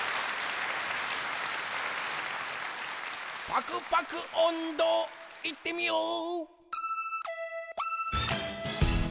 パクパクおんど、いってみよう！